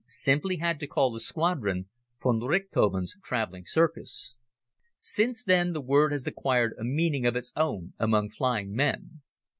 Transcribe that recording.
simply had to call the squadron "von Richthofen's Traveling Circus." Since then the word has acquired a meaning of its own among flying men.